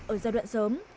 ở giai đoạn sớm